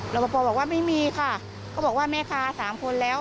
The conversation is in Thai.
ประพอบอกว่าไม่มีค่ะก็บอกว่าแม่ค้าสามคนแล้ว